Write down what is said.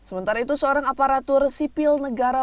sementara itu seorang aparatur sipil negara